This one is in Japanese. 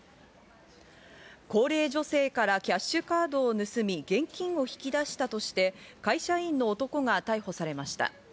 高齢女性からキャッシュカードを盗み、現金を引き出したとして、会社員の男が逮捕されました。